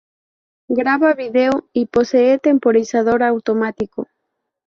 Graba video y posee temporizador automático.